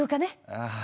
ああ。